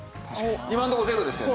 今のとこゼロですよね。